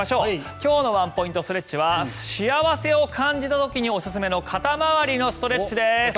今日のワンポイントストレッチは幸せを感じた時におすすめの肩回りのストレッチです。